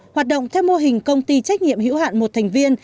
hoạt động theo mô hình công ty trách nhiệm hữu hạn một thành viên